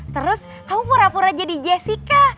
terus aku pura pura jadi jessica